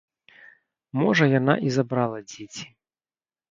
Можа яна і забрала дзеці.